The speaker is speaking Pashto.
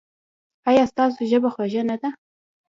ایا ستاسو ژبه خوږه نه ده؟